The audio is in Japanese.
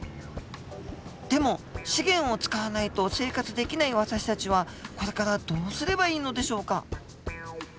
でも資源を使わないと生活できない私たちはこれからどうすればいいのでしょうか？